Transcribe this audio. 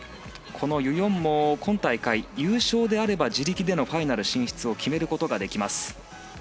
このユ・ヨンも今大会優勝であれば自力でのファイナル進出を決めることができます。